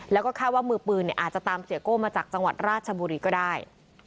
แล้วก็คาดว่ามือปืนอาจจะตามเสียโก้มาจากจังหวัดราชบุรีก็ได้